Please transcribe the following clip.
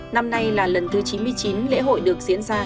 năm nay là lần thứ chín mươi chín lễ hội được diễn ra